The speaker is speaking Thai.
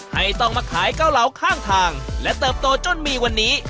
ให้ต้องมาขายเกาเหลาข้างทางและเติบโตจนมีวันนี้